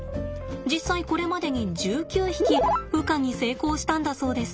実際これまでに１９匹羽化に成功したんだそうです。